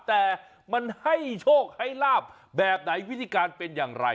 แต่มันให้โชคให้ลาบแบบไหนวิธีการเป็นอย่างไร